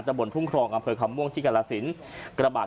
ตะบ่นทุ่งครองอัมเทอร์คมม่วงที่กราศิลป์